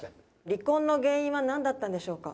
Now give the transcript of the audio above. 離婚の原因はなんだったんでしょうか？